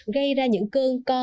gây ra những cơn co